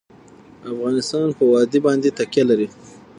افغانستان په وادي باندې تکیه لري.